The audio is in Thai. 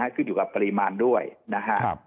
ขึ้นอยู่กับปริมาณด้วยนะครับ